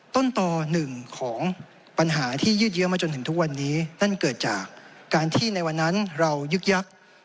ต้นต่อหนึ่งของปัญหาที่ยืดเยอะมาจนถึงทุกวันนี้นั่นเกิดจากการที่ในวันนั้นเรายึกยักษ์